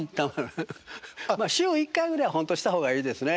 週１回ぐらいは本当はした方がいいですね